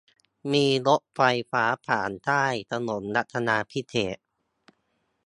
มีรถไฟฟ้าผ่านใต้ถนนรัชดาภิเษก